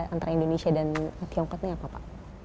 antara indonesia dan tiongkok ini apa pak